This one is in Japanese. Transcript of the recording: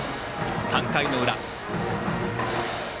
３回の裏。